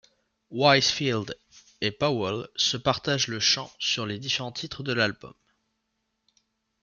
Wisefield et Powell se partagent le chant sur les différents titres de l'album.